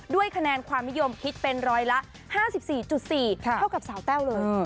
ด้วยคะแนนความนิยมคิดเป็นร้อยละ๕๔๔เท่ากับสาวแต้วเลย